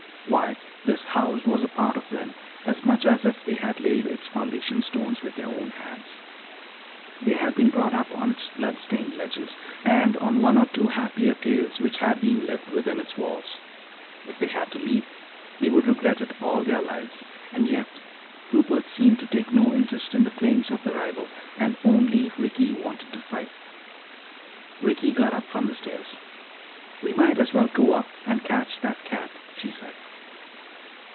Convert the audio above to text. Why, this house was a part of them, as much as if they had laid its foundation stones with their own hands. They had been brought up on its blood stained legends, and on the one or two happier tales which had been lived within its walls. If they had to leave, they would regret it all their lives. And yet Rupert seemed to take no interest in the claims of the rival, and only Ricky wanted to fight. Ricky got up from the stairs. "We might as well go up and catch that cat," she said.